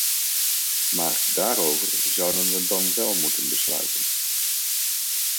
Maar daarover zouden we dan wel moeten besluiten.